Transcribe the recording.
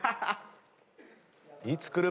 いつ来る？